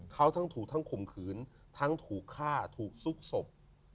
เขาทั้งถูกทั้งข่มขืนทั้งถูกฆ่าถูกซุกศพ